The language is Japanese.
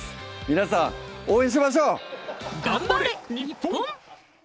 皆さん応援しましょう頑張れ日本！